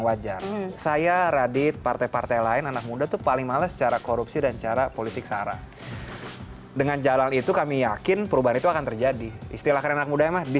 berita terkini dari kpum